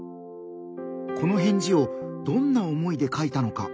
この返事をどんな思いで書いたのか？